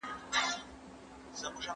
ميرويس خان نيکه څنګه د خپل ولس باور وساته؟